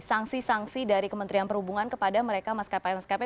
sanksi sanksi dari kementerian perhubungan kepada mereka maskapai maskapai